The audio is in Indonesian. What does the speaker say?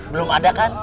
belum ada kan